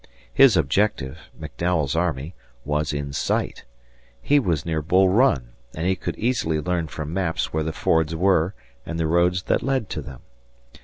His objective, McDowell's army, was in sight; he was near Bull Run, and he could easily learn from maps where the fords were and the roads that led to them.